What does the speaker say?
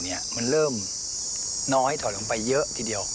มันเริ่มน้อยถอดลงไปเยอะทีเดียว